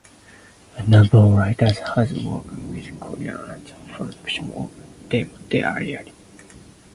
A number of writers have worked with Kara on the production of "Demon Diary".